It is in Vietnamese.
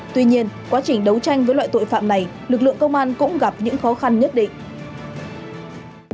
tuy nhiên quá trình đấu tranh với loại tội phạm này lực lượng công an cũng gặp những khó khăn nhất định